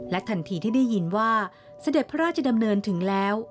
ทันทีที่ได้ยินว่าเสด็จพระราชดำเนินถึงแล้ว